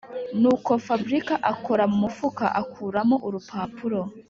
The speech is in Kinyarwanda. nuko fabric akora mumufuka akuramo urupapuro